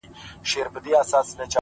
څومره بلند دی ـ